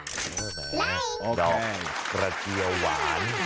ดอกกระเจียวหวาน